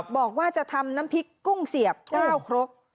บอกว่าจะทำน้ำพริกกุ้งเสียบ๙ครก